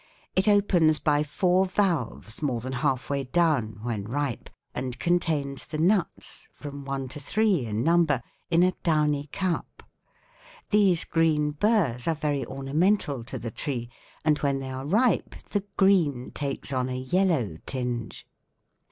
It opens by four valves more than halfway down when ripe, and contains the nuts, from one to three in number, in a downy cup. These green burrs are very ornamental to the tree; and when they are ripe, the green takes on a yellow tinge."